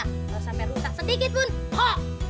kalau sampe rusak sedikit pun ho